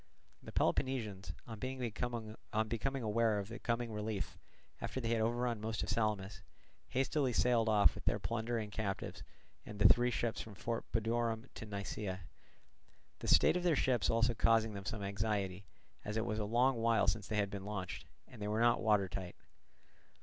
The Peloponnesians, on becoming aware of the coming relief, after they had overrun most of Salamis, hastily sailed off with their plunder and captives and the three ships from Fort Budorum to Nisaea; the state of their ships also causing them some anxiety, as it was a long while since they had been launched, and they were not water tight.